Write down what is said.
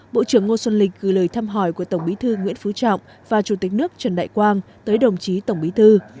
bộ trưởng ngô xuân lịch gửi lời thăm hỏi của tổng bí thư nguyễn phú trọng và chủ tịch nước trần đại quang tới đồng chí tổng bí thư